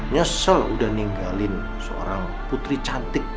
nyesel udah ninggalin seorang putri cantik